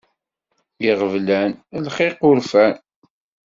Iɣeblan, lxiq, urfan.